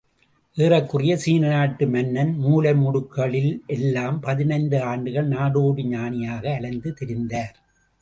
ஏறக்குறைய சீன நாட்டு மண்ணின் மூலை, மூடுக்குகளில் எல்லாம் பதினைந்து ஆண்டுகள் நாடோடி ஞானியாக அலைந்து திரிந்தார்.